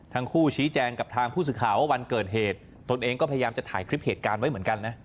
ทั้งคู่ชี้แจงกับทางผู้สื่อข่าวว่าวันเกิดเหตุตนเองก็พยายามจะถ่ายคลิปเหตุการณ์ไว้เหมือนกันนะ